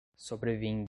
Sobrevindo